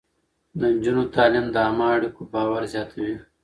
د نجونو تعليم د عامه اړيکو باور زياتوي.